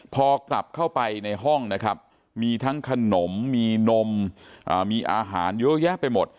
พอกลับเข้าไปในห้องนะครับมีทั้งขนมมีนมมีอาหารเยอะแยะไปหมด